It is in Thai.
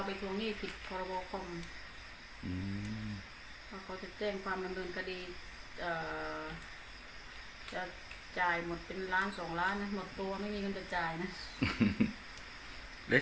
ข่มขู่เรื่องที่ว่าเราไปทวงหนี้ผิดธรรมบาลคม